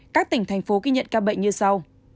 các tỉnh thành phố ghi nhận ca bệnh như sau